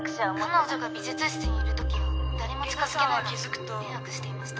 彼女が美術室にいる時は誰も近づけないので迷惑していました。